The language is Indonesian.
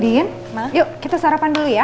din yuk kita sarapan dulu ya